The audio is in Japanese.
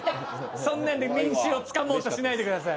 そんなんで民衆を掴もうとしないでください。